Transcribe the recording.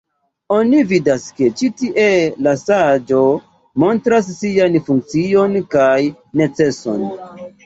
Oni vidas ke ĉi tie la saĝo montras sian funkcion kaj neceson.